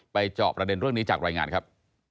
จอบประเด็นเรื่องนี้จากรายงานครับ